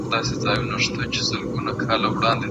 جرګه باید د شخصي او سیاسي ګټو قرباني نه سي.